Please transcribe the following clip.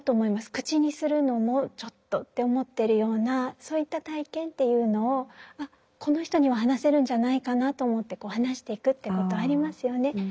口にするのもちょっとって思ってるようなそういった体験っていうのをこの人には話せるんじゃないかなと思って話していくっていうことありますよね。